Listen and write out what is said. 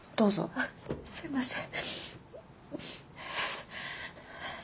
あっすいません。